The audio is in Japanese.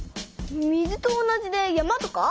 水と同じで山とか？